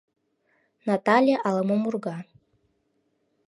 Натале ала-мом урга.